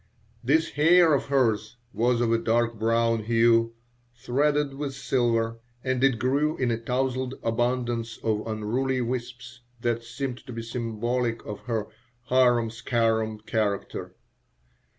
This hair of hers was of a dark brown hue, threaded with silver, and it grew in a tousled abundance of unruly wisps that seemed to be symbolic of her harum scarum character.